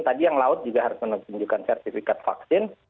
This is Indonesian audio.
tadi yang laut juga harus menunjukkan sertifikat vaksin